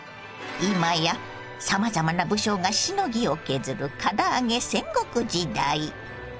今やさまざまな武将がしのぎを削るから揚げ戦国時代。